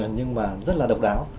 nhưng mà rất là độc đáo